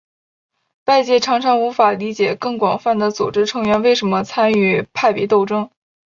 外界常常无法理解更广泛的组织成员为什么参与派别斗争。